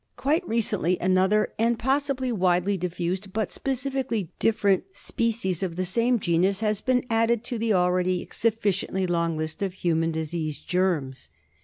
Quite recently another and possibly widely diffused, but specifically different, species of the same genus has been added to the already sufficiently long list of human disease germs.